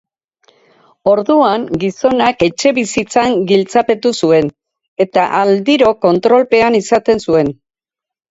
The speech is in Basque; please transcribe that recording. Orduan, gizonak etxebizitzan giltzapetu zuen, eta aldiro kontrolpean izaten zuen.